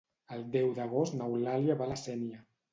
El deu d'agost n'Eulàlia va a la Sénia.